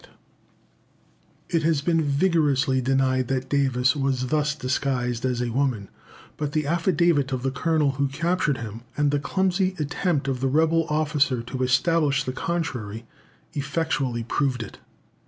It has been vigorously denied that Davis was thus disguised as a woman; but the affidavit of the colonel who captured him, and the clumsy attempt of the rebel officer to establish the contrary, effectually prove it.